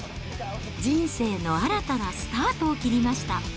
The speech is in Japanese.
人生の新たなスタートを切りました。